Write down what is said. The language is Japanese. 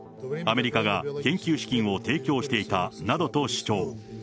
アメリカが研究資金を提供していたなどと主張。